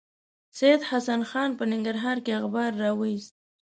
سید حسن خان په ننګرهار کې اخبار راوایست.